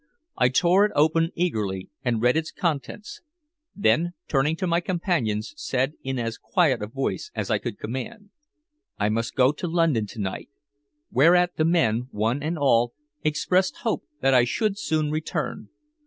I tore it open eagerly, and read its contents. Then, turning to my companions, said in as quiet a voice as I could command "I must go up to London to night," whereat the men, one and all, expressed hope that I should soon return.